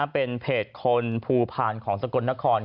เป็นเพจคนภูผ่านของโตรกรรมพลงสกลนคร